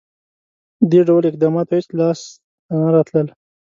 • دې ډول اقداماتو هېڅ لاسته نه راتلل.